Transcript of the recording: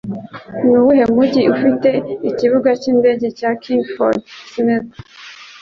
Nuwuhe mujyi ufite ikibuga cy'indege cya Kingsford Smith?